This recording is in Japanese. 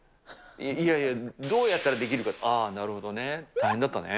いやいや、どうやったら出来るかって、ああ、なるほどね、大変だったね。